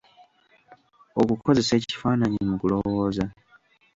Okukozesa ekifaananyi mu kulowooza.